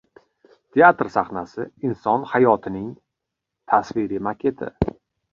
Teatr sahnasi – inson hayotining tasviriy maketi.